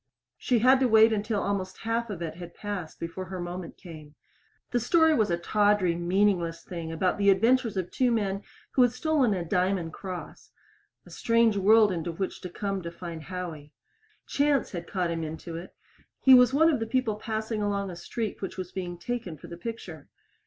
She had to wait until almost half of it had passed before her moment came. The story was a tawdry, meaningless thing about the adventures of two men who had stolen a diamond cross a strange world into which to come to find Howie. Chance had caught him into it he was one of the people passing along a street which was being taken for the picture.